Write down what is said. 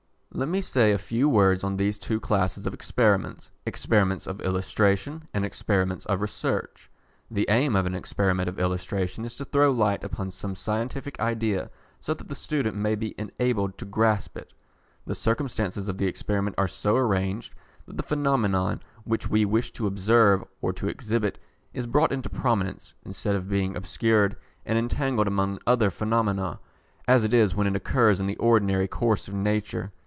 Let me say a few words on these two classes of experiments, Experiments of Illustration and Experiments of Research. The aim of an experiment of illustration is to throw light upon some scientific idea so that the student may be enabled to grasp it. The circumstances of the experiment are so arranged that the phenomenon which we wish to observe or to exhibit is brought into prominence, instead of being obscured and entangled among other phenomena, as it is when it occurs in the ordinary course of nature.